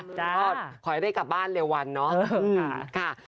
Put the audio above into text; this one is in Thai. ก็ขอให้ได้กลับบ้านเร็ววันเนาะ